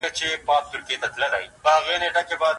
دوی د دې نبات کیفیت چک کوي.